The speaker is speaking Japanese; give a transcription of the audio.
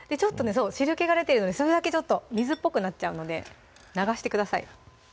そう汁けが出てるのでそれだけちょっと水っぽくなっちゃうので流してください